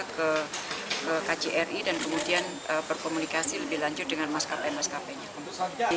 kemudian mereka sudah berkomunikasi dengan mas kpi mas kpi